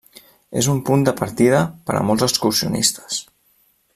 És un punt de partida per a molts excursionistes.